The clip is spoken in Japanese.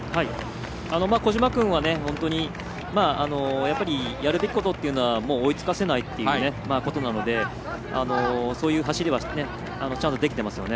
小島君は本当にやるべきことというのは追いつかせないということなのでそういう走りはちゃんとできていますよね。